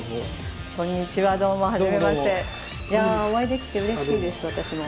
いやお会いできてうれしいです私も。